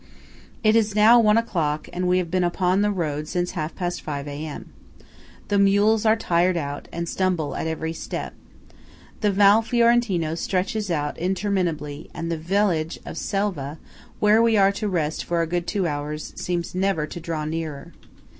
It is now one o'clock, and we have been upon the road since half past five A.M. The mules are tired out, and stumble at every step. The Val Fiorentino stretches on interminably, and the village of Selva, where we are to rest for a good two hours, seems never to draw nearer.